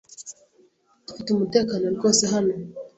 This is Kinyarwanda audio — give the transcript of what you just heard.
Dufite umutekano rwose hano.